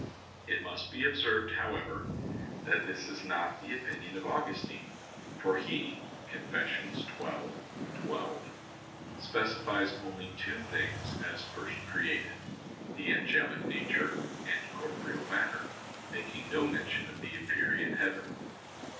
It must be observed, however, that this is not the opinion of Augustine. For he (Confess. xii, 12) specifies only two things as first created the angelic nature and corporeal matter making no mention of the empyrean heaven.